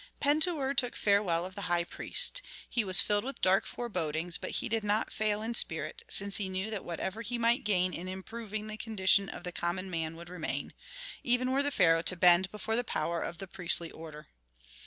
Pentuer took farewell of the high priest. He was filled with dark forebodings, but he did not fail in spirit, since he knew that whatever he might gain in improving the condition of the common man would remain, even were the pharaoh to bend before the power of the priestly order.